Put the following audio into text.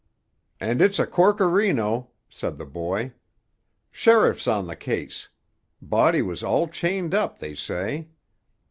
"And it's a corkerino!" said the boy. "Sheriff's on the case. Body was all chained up, they say."